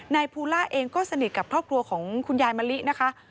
ภูล่าเองก็สนิทกับครอบครัวของคุณยายมะลินะคะ